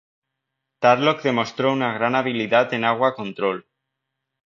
Tarrlok demostró una gran habilidad en Agua Control.